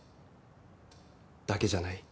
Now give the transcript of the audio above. だけじゃない。